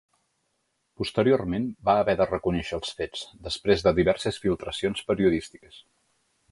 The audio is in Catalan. Posteriorment va haver de reconèixer els fets, després de diverses filtracions periodístiques.